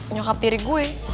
nyokap tiri gue